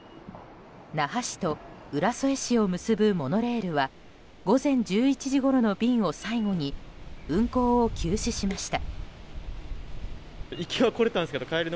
那覇市と浦添市を結ぶモノレールは午前１１時ごろの便を最後に運行を休止しました。